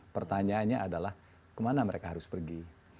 pertanyaannya adalah kemana mereka harus pergi